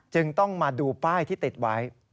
จึงต้องมาดูป้ายที่ติดไว้